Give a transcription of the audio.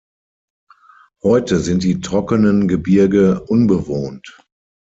Heute sind die trockenen Gebirge unbewohnt.